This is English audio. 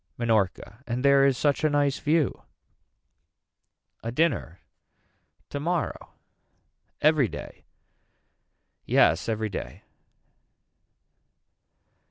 Minorca. And there is such a nice view. A dinner. Tomorrow. Every day. Yes every day.